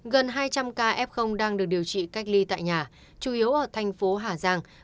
gần hai trăm linh ca f đang được điều trị cách ly tại nhà chủ yếu ở thành phố hà giang